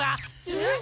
えっ？